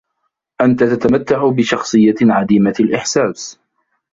أنت تتمتع بشخصية عديمة الإحساس.